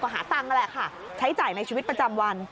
หาตังค์นั่นแหละค่ะใช้จ่ายในชีวิตประจำวัน